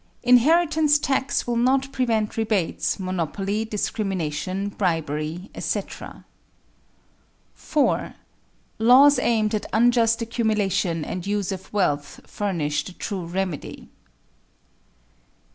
Inheritance tax will not prevent rebates, monopoly, discrimination, bribery, etc. 4. _Laws aimed at unjust accumulation and use of wealth furnish the true remedy.